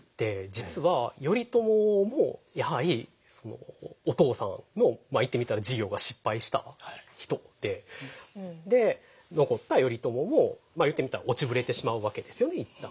実は頼朝もやはりお父さんの言ってみたら事業が失敗した人で。で残った頼朝も言ってみたら落ちぶれてしまうわけですよね一旦。